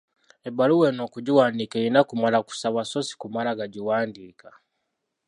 Ebbaluwa eno okugiwandiika erina kumala kusabwa so si kumala gagiwandiika.